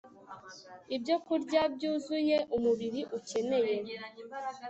ibyokurya byuzuye umubiri ukeneye